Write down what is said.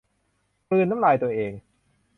กลืนน้ำลายตัวเอง